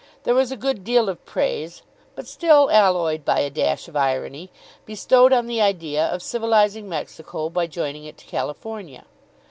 There was a good deal of praise, but still alloyed by a dash of irony, bestowed on the idea of civilising Mexico by joining it to California.